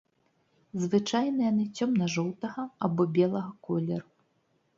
Звычайна яны цёмна-жоўтага або белага колеру.